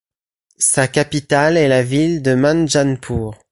Sa capitale est la ville de Manjhanpur.